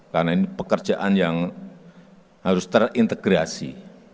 karena ini pekerjaan yang harus terintegrasi